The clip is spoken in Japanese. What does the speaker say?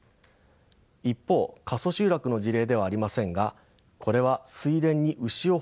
一方過疎集落の事例ではありませんがこれは水田にウシを放牧した事例です。